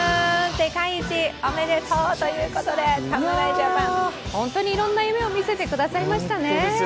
世界一おめでとうということで侍ジャパン、本当にいろんな夢を見せてくださいましたね。